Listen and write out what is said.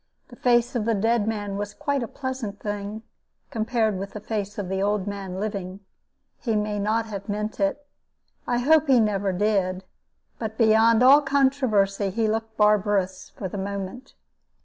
The face of the dead man was quite a pleasant thing, compared with the face of the old man living. He may not have meant it, and I hope he never did, but beyond all controversy he looked barbarous for the moment.